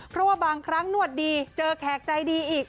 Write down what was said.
เพราะว่าบางครั้งนวดดีเจอแขกใจดีอีก